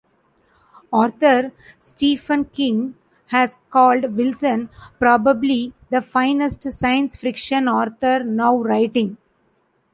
Author Stephen King has called Wilson "probably the finest science-fiction author now writing".